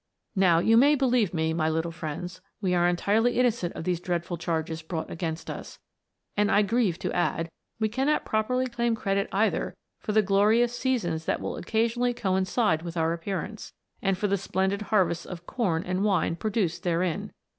Now, you may believe me, my little friends, we are entirely innocent of these dreadful charges brought against us ; and I grieve to add, we cannot properly claim credit either for the glorious seasons that will occasionally coincide with our appearance, and for the splendid harvests of corn and wine pro duced therein.